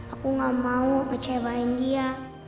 aku nggak mau ngecewain dia